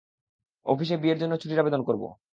অফিসে বিয়ের জন্য ছুটির আবেদন করবো।